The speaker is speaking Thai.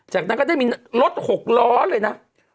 จากนั้นก็ได้มีรถ๖ล้อเลยนะ